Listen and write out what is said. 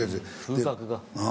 風格が。